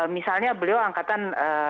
misalnya beliau angkatan delapan puluh enam